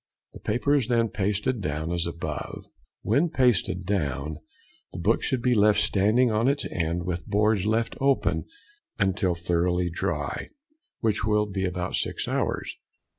The paper is then pasted down as above. When pasted down, the book should be left standing on its end, with boards left open until thoroughly dry, which will be about six hours.